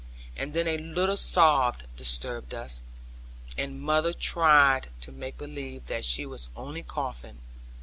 And then a little sob disturbed us, and mother tried to make believe that she was only coughing.